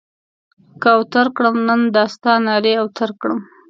که اوتر کړم؛ نن دا ستا نارې اوتر کړم.